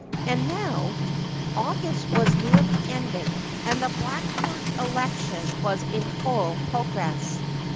And now August was nearly ended, and the Blackford election was in full progress.